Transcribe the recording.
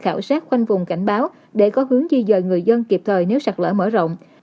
khảo sát khoanh vùng cảnh báo để có hướng di dời người dân kịp thời nếu sạt lỡ mở rộng